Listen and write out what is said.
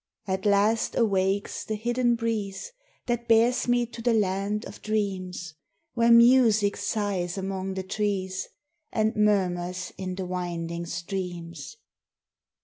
At last awakes the hidden breeze That bears me to the land of dreams, Where music sighs among the trees And murmurs in the winding streams.